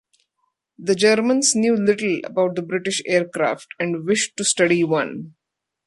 The Germans knew little about the British aircraft and wished to study one.